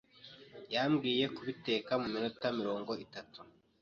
yambwiye kubiteka mu minota mirongo itatu.